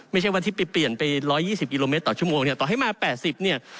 ไม่ใช่วันที่เปลี่ยนไป๑๒๐กิโลเมตรต่อชั่วโมงต่อให้มา๘๐กิโลเมตร